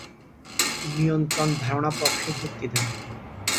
নিয়ন্ত্রণ ধারণা পক্ষে যুক্তি দেন।